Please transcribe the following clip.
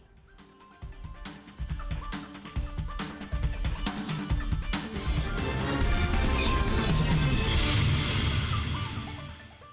terima kasih banyak